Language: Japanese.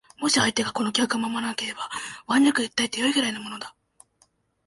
もし相手がこの規約を守らなければ腕力に訴えて善いくらいのものだ